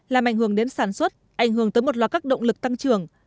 làm ảnh hưởng đến sản xuất ảnh hưởng tới một loạt các động lực tăng trưởng